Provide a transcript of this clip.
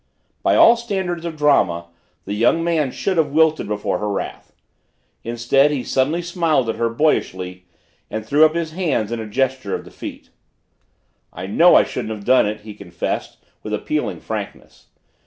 By all standards of drama the young man should have wilted before her wrath, Instead he suddenly smiled at her, boyishly, and threw up his hands in a gesture of defeat. "I know I shouldn't have done it!" he confessed with appealing frankness.